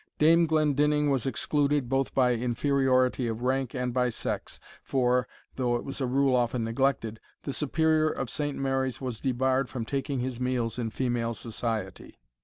Dame Glendinning was excluded, both by inferiority of rank and by sex, for (though it was a rule often neglected) the Superior of Saint Mary's was debarred from taking his meals in female society.